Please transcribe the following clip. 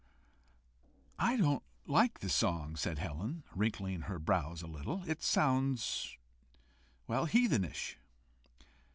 "I don't like the song," said Helen, wrinkling her brows a little. "It sounds well, heathenish."